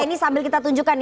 ini sambil kita tunjukkan